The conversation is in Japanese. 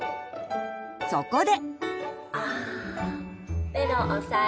そこで。